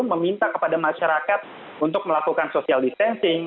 meminta kepada masyarakat untuk melakukan social distancing